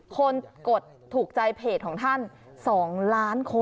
กดถูกใจเพจของท่าน๒ล้านคน